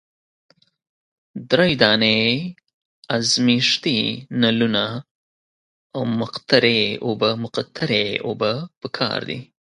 دری دانې ازمیښتي نلونه او مقطرې اوبه پکار دي.